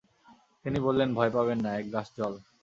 তিনি বললেন, ভয় পাবেন না, এক গ্লাস জল।